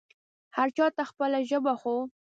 هر چا ته خپله ژبه خو